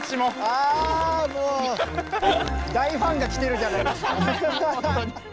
あもう大ファンが来てるじゃないですか。